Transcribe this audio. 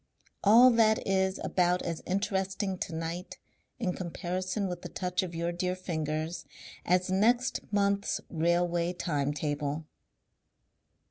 "All that is about as interesting to night in comparison with the touch of your dear fingers as next month's railway time table."